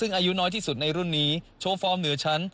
ซึ่งอายุน้อยที่สุดในรุ่นนี้โชว์ฟอร์มเหนือชั้น